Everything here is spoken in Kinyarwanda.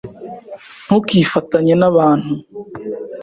Ntukifatanye nabantu.